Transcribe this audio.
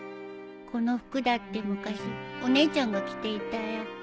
この服だって昔お姉ちゃんが着ていたよ。